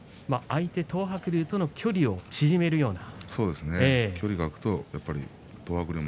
相手、東白龍との距離を縮めるような。